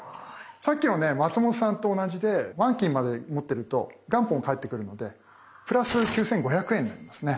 さっきの松本さんと同じで満期まで持ってると元本返ってくるので＋９，５００円になりますね。